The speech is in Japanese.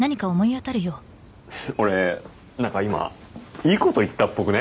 俺なんか今いいこと言ったっぽくね？